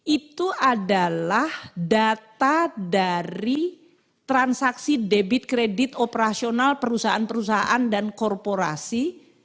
itu adalah data dari transaksi debit kredit operasional perusahaan perusahaan dan korporasi